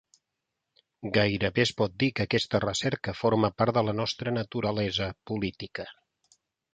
Gairebé es pot dir que aquesta recerca forma part de la nostra naturalesa política.